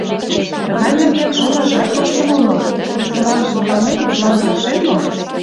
Тыгай нерген шонашат тоштын омыл — рестораныш логалмек, тудлан келшен мо?».